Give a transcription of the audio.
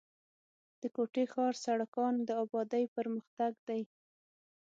د کوټي ښار سړکان د آبادۍ پر مخ تنګ دي.